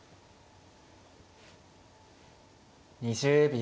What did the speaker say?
２０秒。